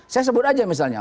saya sebut aja misalnya